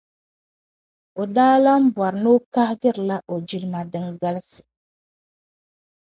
O daa lan bɔri ni o kahigila o jilima din galisi.